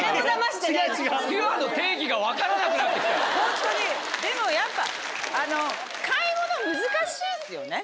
ホントにでもやっぱ買い物難しいっすよね。